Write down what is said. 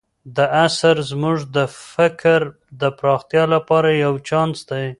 دا اثر زموږ د فکر د پراختیا لپاره یو چانس دی.